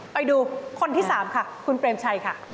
ไปดูคนที่๓ค่ะคุณเปรมชัยค่ะ